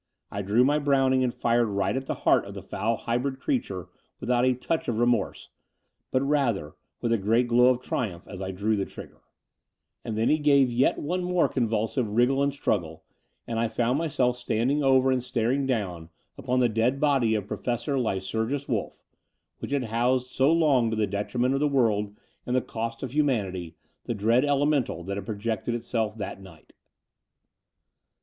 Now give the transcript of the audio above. I drew my Browning and &ed right at the heart of the foul hybrid creature without a touch of remorse, but rather with a great glow of triumph as I drew the trigger. The Dower House 293 And then he gave yet one more convulsive wriggle and struggle : and I found myself standing over and staring down upon the dead body of Pro fessor Lycurgus Wolff, which had housed so long to the detriment of the world and the cost of hu manity the dread elemental that had projected itself that night.